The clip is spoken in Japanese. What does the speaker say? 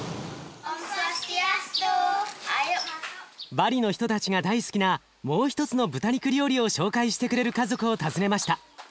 バリの人たちが大好きなもう一つの豚肉料理を紹介してくれる家族を訪ねました。